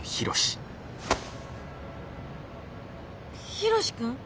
ヒロシ君？